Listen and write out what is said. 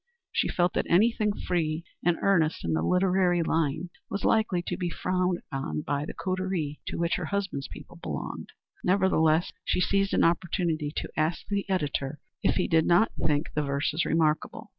She felt that anything free and earnest in the literary line was likely to be frowned on by the coterie to which her husband's people belonged. Nevertheless she seized an opportunity to ask the editor if he did not think the verses remarkable.